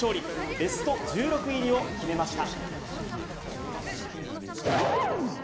ベスト１６入りを決めました。